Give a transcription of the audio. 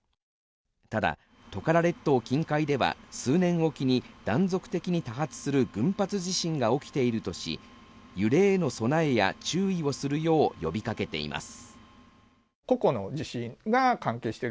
ただ、トカラ列島近海では数年置きに断続的に多発する群発地震が起きているとし、揺れへの備えや注意をするよう呼びかけています。